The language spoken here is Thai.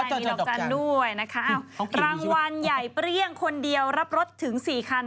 มีดอกจันทร์ด้วยนะคะรางวัลใหญ่เปรี้ยงคนเดียวรับรถถึง๔คัน